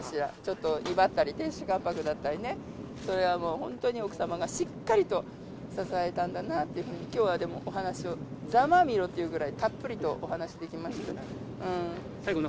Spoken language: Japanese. ちょっといばったり、亭主関白だったりね、それはもう本当に奥様がしっかりと支えたんだなっていうふうに、きょうはでもきょうはでもお話を、ざまーみろっていうぐらいたっぷりとお話しできましたから。笑